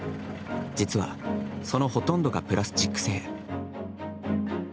実はそのほとんどがプラスチック製。